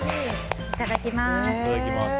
いただきます。